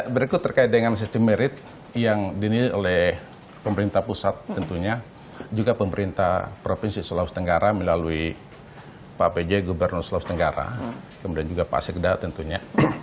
berikut terkait dengan sistem merit yang dinilai oleh pemerintah pusat tentunya juga pemerintah provinsi sulawesi tenggara melalui pak pj gubernur sulawesi tenggara kemudian juga pak sekda tentunya